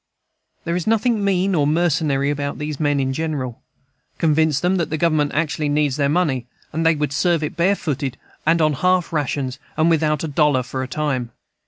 There is nothing mean or mercenary about these men in general. Convince them that the Government actually needs their money, and they would serve it barefooted and on half rations, and without a dollar for a time.